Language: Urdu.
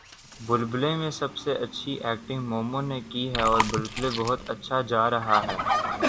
بلبلے میں سب سے اچھی ایکٹنگ مومو نے کی ہے اور بلبلے بہت اچھا جا رہا ہے